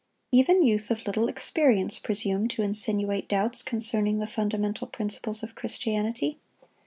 Even youth of little experience presume to insinuate doubts concerning the fundamental principles of Christianity.